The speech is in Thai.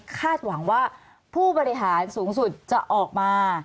หวังว่าผู้บริหารสูงสุดจะออกมา